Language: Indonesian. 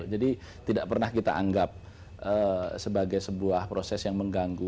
jadi tidak pernah kita anggap sebagai sebuah proses yang mengganggu